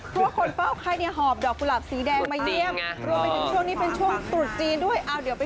ทั้งคนเฝ้าไข้เนี่ยคอบดอกกุลับสีแดงมาเยี่ยม